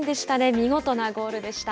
見事なゴールでした。